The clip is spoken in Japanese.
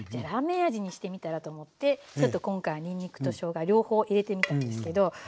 ラーメン味にしてみたらと思ってちょっと今回にんにくとしょうが両方入れてみたんですけど。